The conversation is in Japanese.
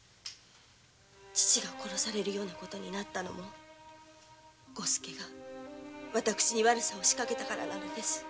父が殺されるようになったのも吾助が私に悪さをしかけたからなのです。